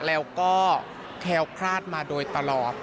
แล้วก็แค้วคลาดมาโดยตลอด